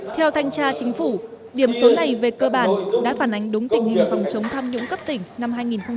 theo thanh tra chính phủ điểm số này về cơ bản đã phản ánh đúng tình hình phòng chống tham nhũng cấp tỉnh năm hai nghìn một mươi chín